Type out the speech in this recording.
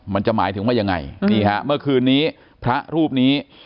มันจะหมายถึงว่ายังไงนี่ฮะเมื่อคืนนี้พระรูปนี้